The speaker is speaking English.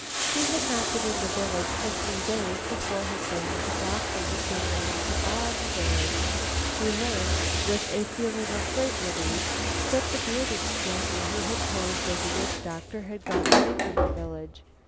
She had not been in the village three days before her fame as a doctor became known to all the village. She had learned, with a feeling of great relief, that the bearded stranger who had posed as a witch doctor had gone away from the village.